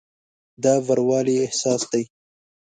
دا بروالي احساس دی.